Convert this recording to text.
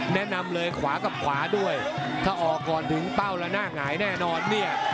แนะนำเลยขวากับขวาด้วยถ้าออกก่อนถึงต้องมาน่ากหายแน่นอนนี่